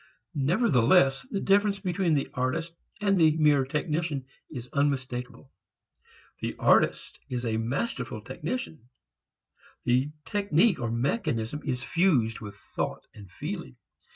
Nevertheless the difference between the artist and the mere technician is unmistakeable. The artist is a masterful technician. The technique or mechanism is fused with thought and feeling.